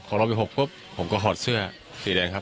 พอรอบที่๖ปุ๊บผมก็หอดเสื้อสิ่งแดงครับ